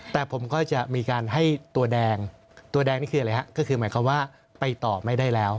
แต่ผมก็จะมีการให้ตัวแดงตัวแดงนี่คืออะไรฮะก็คือหมายความว่าไปต่อไม่ได้แล้ว